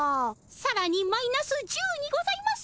さらにマイナス１０にございます。